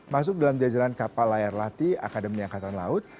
masuk dalam jajaran kapal layar latih akademi angkatan laut